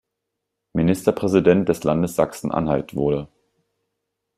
Ministerpräsident des Landes Sachsen-Anhalt wurde.